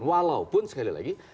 walaupun sekali lagi